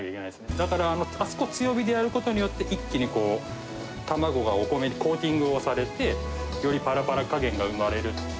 だから、あそこを強火でやることによって、一気に卵がお米にコーティングをされて、よりぱらぱら加減が生まれる。